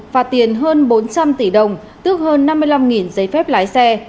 phạt tiền hơn bốn trăm linh tỷ đồng tước hơn năm mươi năm giấy phép lái xe